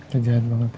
kita jahat banget ya